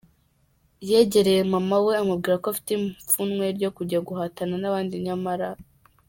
yegereye mama we, amubwira ko afite ipfunwe ryo kujya guhatana n'abandi nyamara.